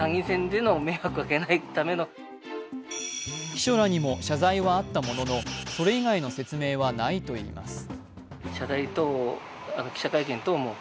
秘書らにも謝罪はあったもののそれ以外の説明はないといいます。